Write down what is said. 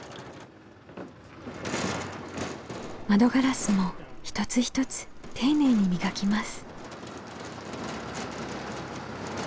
窓ガラスも一つ一つ丁寧に磨きます。